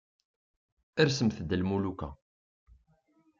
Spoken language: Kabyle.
Rsemt-d a lmuluka.